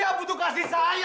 saya tidak berani jangan berani